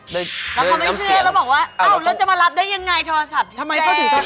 แล้วเขาไม่เชื่อแล้วบอกว่าเอ้าแล้วจะมารับได้ยังไงโทรศัพท์แท้